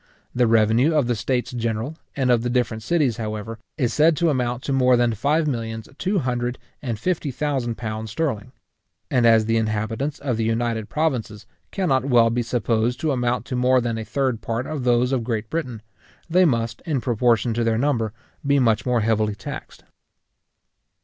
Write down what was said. The revenue of the States General and of the different cities, however, is said to amount to more than five millions two hundred and fifty thousand pounds sterling; and as the inhabitants of the United Provinces cannot well be supposed to amount to more than a third part of those of Great Britain, they must, in proportion to their number, be much more heavily taxed.